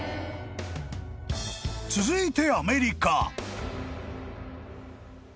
［続いて］